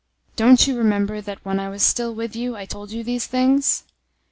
002:005 Don't you remember that, when I was still with you, I told you these things?